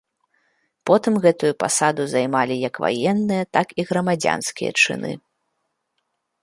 Потым гэтую пасаду займалі як ваенныя, так і грамадзянскія чыны.